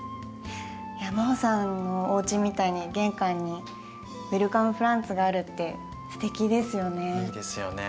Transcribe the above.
いや真穂さんのおうちみたいに玄関にウェルカムプランツがあるってすてきですよね。